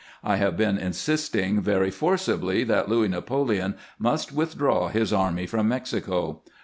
I have been insisting very forcibly that Louis Napoleon must withdraw his army from Mexico.